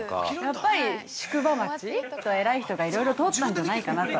◆やっぱり宿場町、偉い人がいろいろ通ったんじゃないかなと。